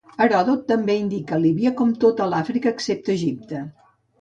Heròdot també indica Líbia com tota l'Àfrica excepte Egipte.